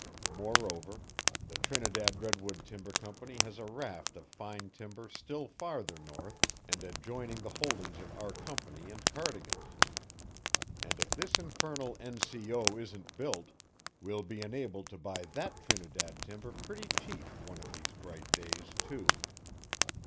Moreover, the Trinidad Redwood Timber Company has a raft of fine timber still farther north and adjoining the holdings of our company and Cardigan's, and if this infernal N.C.O. isn't built, we'll be enabled to buy that Trinidad timber pretty cheap one of these bright days, too."